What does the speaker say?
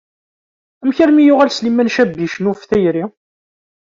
Amek armi yuɣal Sliman Cabbi icennu ɣef tayri?